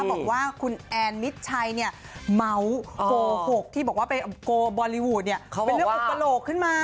บอกว่าคุณแอนมิดชัยเนี่ยเมาส์โกหกที่บอกว่าไปโกลบอลลีวูดเนี่ยเป็นเรื่องอุปโลกขึ้นมา